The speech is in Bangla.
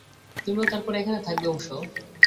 তুমি তারপরেও এখানে থাকবে অবশ্য।